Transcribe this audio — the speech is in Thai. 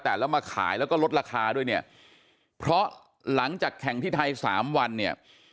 แต่แล้วมาขายแล้วก็ลดราคาด้วยเนี่ยเพราะหลังจากแข่งที่ไทยสามวันเนี่ย